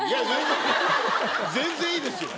全然いいですよ。